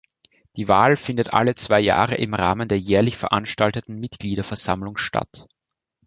Die Wahl findet alle zwei Jahre im Rahmen der jährlich veranstalteten Mitgliederversammlung statt.